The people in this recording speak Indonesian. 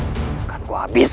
kemana tuhan awas saja